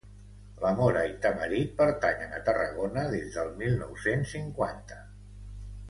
La Mora i Tamarit pertanyen a Tarragona des del mil nou-cents cinquanta.